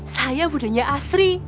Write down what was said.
saya budenya asri